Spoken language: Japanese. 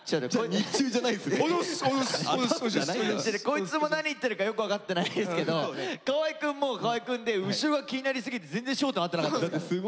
こいつも何言ってるかよく分かってないですけど河合くんも河合くんで後ろが気になりすぎて全然焦点合ってなかったです。